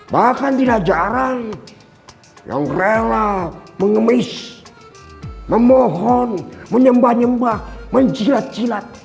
bahkan bila jarang yang rela mengemis memohon menyembah nyembah menjilat jilat